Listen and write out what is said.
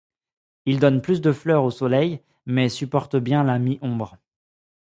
Il donne plus de fleurs au soleil mais supporte bien la mi-ombre.